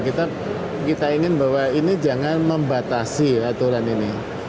kita ingin bahwa ini jangan membatasi aturan ini